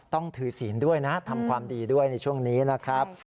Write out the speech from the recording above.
ต้องถือศีลด้วยนะทำความดีด้วยในช่วงนี้นะครับ